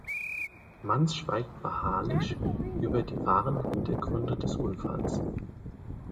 Manz schweigt beharrlich über die wahren Hintergründe des Unfalls.